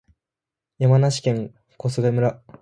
山梨県小菅村